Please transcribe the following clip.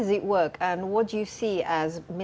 yang bisa diperbaiki atau diperbaiki